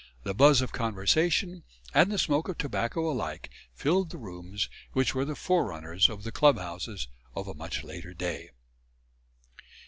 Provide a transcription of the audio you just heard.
The buzz of conversation and the smoke of tobacco alike filled the rooms which were the forerunners of the club houses of a much later day.